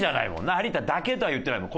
「有田だけ」とは言ってないもん。